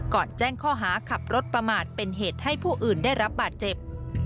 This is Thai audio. แจ้งข้อหาขับรถประมาทเป็นเหตุให้ผู้อื่นได้รับบาดเจ็บ